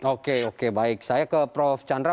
oke oke baik saya ke prof chandra